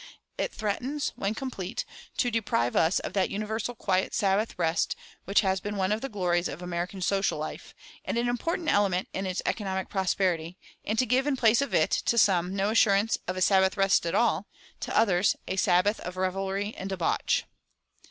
It threatens, when complete, to deprive us of that universal quiet Sabbath rest which has been one of the glories of American social life, and an important element in its economic prosperity, and to give in place of it, to some, no assurance of a Sabbath rest at all, to others, a Sabbath of revelry and debauch.